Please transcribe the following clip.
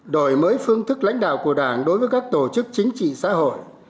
đổi mới phương thức lãnh đạo của đảng đối với các tổ chức chính trị xã hội